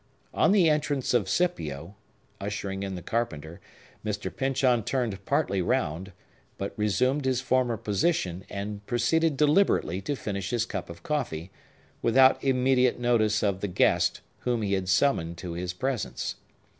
On the entrance of Scipio, ushering in the carpenter, Mr. Pyncheon turned partly round, but resumed his former position, and proceeded deliberately to finish his cup of coffee, without immediate notice of the guest whom he had summoned to his presence.